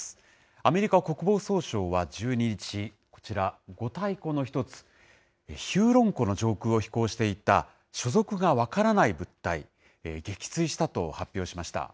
アメリカ国防総省は１２日、こちら、五大湖の一つ、ヒューロン湖の上空を飛行していた所属が分からない物体、撃墜したと発表しました。